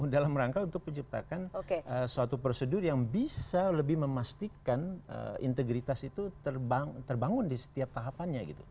dalam rangka untuk menciptakan suatu prosedur yang bisa lebih memastikan integritas itu terbangun di setiap tahapannya gitu